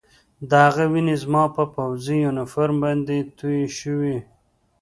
د هغه وینې زما په پوځي یونیفورم باندې تویې شوې